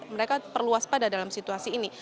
mereka perlu waspada dalam situasi ini